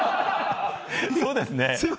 そうですね。